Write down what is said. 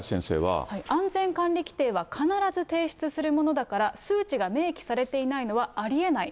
安全管理規定は必ず提出するものだから、数値が明記されていないのはありえない。